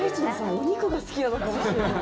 お肉が好きなのかもしれない。